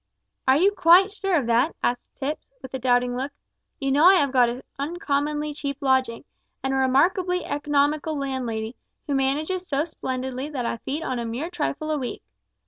"Are you quite sure of that?" asked Tipps, with a doubting look. "You know I have got an uncommonly cheap lodging, and a remarkably economical landlady, who manages so splendidly that I feed on a mere trifle a week.